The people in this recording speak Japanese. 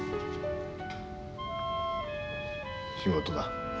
仕事だ。